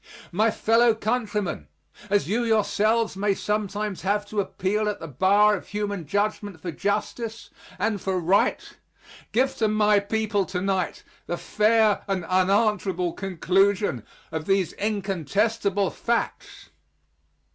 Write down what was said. My fellow countrymen, as you yourselves may sometimes have to appeal at the bar of human judgment for justice and for right, give to my people to night the fair and unanswerable conclusion of these incontestable facts.